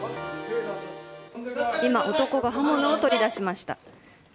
今、男が刃物を取り出しました。